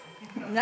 何？